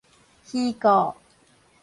虛構